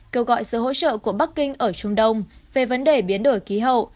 kêu gọi sự hỗ trợ của bắc kinh ở trung đông về vấn đề biến đổi khí hậu